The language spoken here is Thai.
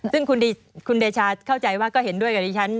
ซึ่งคุณเดชาเข้าใจว่าก็เห็นด้วยกับดิฉัน